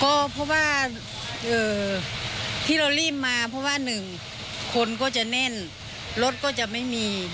ก็เพราะว่าที่เรารีบมาเพราะว่าหนึ่งคนก็จะแน่นรถก็จะไม่มี